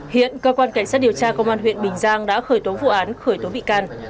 hiện cơ quan cảnh sát điều tra công an huyện bình giang đã khởi tố vụ án khởi tố bị can